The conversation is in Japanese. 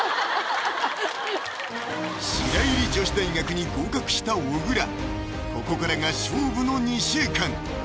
白百合女子大学に合格した小倉ここからが勝負の２週間！